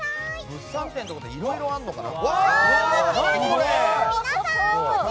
物産展ってことはいろいろあるのかな？